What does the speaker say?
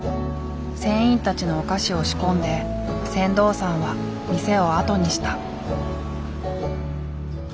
船員たちのお菓子を仕込んで船頭さんは店をあとにした。